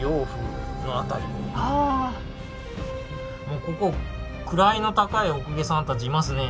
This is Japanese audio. もうここ位の高いお公家さんたちいますね。